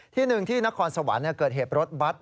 ที่หนึ่งที่นครสวรรค์เกิดเหตุรถบัตร